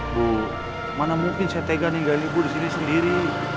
bu mana mungkin saya tega tinggal ibu di sini sendiri